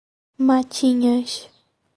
Matinhas